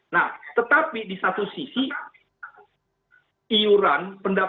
nah tetapi di satu sisi covid ini akan menjadi endemi